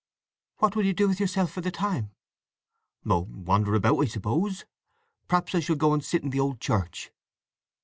"What will you do with yourself for the time?" "Oh—wander about, I suppose. Perhaps I shall go and sit in the old church."